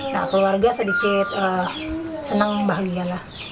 nah keluarga sedikit senang bahagia lah